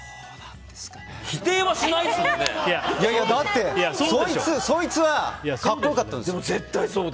だって、そいつは格好良かったんですよ。